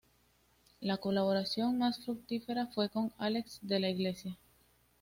La colaboración más fructífera fue con Álex de la Iglesia.